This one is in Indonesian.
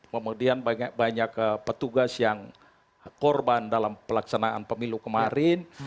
kemudian banyak petugas yang korban dalam pelaksanaan pemilu kemarin